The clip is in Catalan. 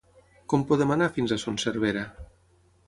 Com podem anar fins a Son Servera?